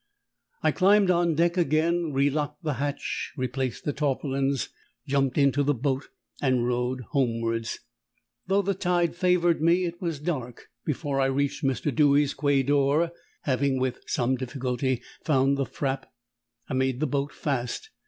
I climbed on deck again, relocked the hatch, replaced the tarpaulins, jumped into the boat and rowed homewards. Though the tide favoured me, it was dark before I reached Mr. Dewy's quay door. Having, with some difficulty, found the frape, I made the boat fast.